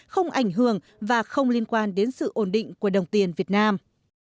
không ảnh hưởng và không liên quan đến sự ổn định của đồng tiền việt nam